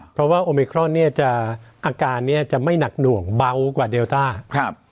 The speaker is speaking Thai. เพราะว่าโอมิครอนเนี่ยจะอาการเนี่ยจะไม่หนักหน่วงเบากว่าเดลต้าครับ